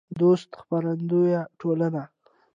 دوست خپرندویه ټولنه